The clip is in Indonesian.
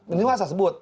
ini saya sebut